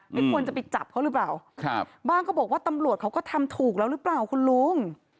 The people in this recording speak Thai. ไม่ควรจะไปจับเขาหรือเปล่าครับบ้างก็บอกว่าตำรวจเขาก็ทำถูกแล้วหรือเปล่าคุณลุง